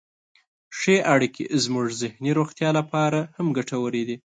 ښې اړیکې زموږ ذهني روغتیا لپاره هم ګټورې دي.